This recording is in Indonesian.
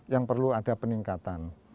yang perlu ada peningkatan